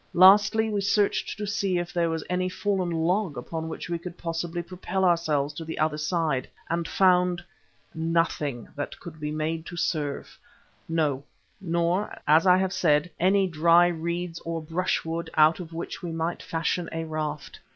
Lastly, we searched to see if there was any fallen log upon which we could possibly propel ourselves to the other side, and found nothing that could be made to serve, no, nor, as I have said, any dry reeds or brushwood out of which we might fashion a raft.